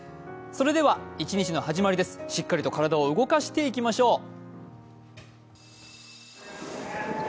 それでは一日の始まりです、しっかりと体を動かしていきましょう。